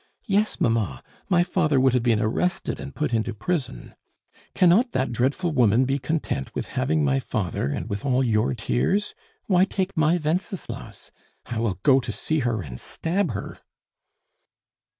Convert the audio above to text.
Yes, mamma, my father would have been arrested and put into prison. Cannot that dreadful woman be content with having my father, and with all your tears? Why take my Wenceslas? I will go to see her and stab her!"